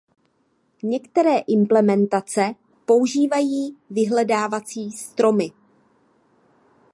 Některé implementace používají vyhledávací stromy.